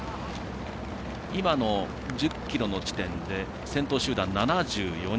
今の１０ｋｍの地点で先頭集団７４人。